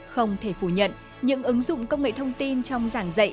không thể phủ nhận những ứng dụng công nghệ thông tin trong giảng dạy